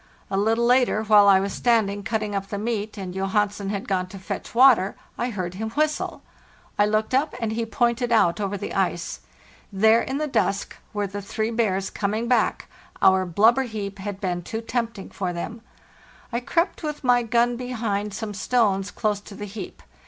<A little later, while I was standing cutting up the meat and Johansen had gone to fetch water, I heard him whistle. 1 looked up, and he pointed out over the ice. There in the dusk were the three bears coming back—our blubber heap had been too tempting for them. I crept with my gun behind some stones close to the heap.